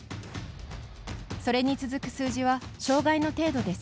それに続く数字は障がいの程度です。